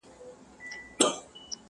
اوس لا ژاړې له آسمانه له قسمته.!